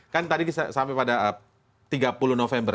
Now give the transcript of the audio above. kan tadi sampai pada tiga puluh november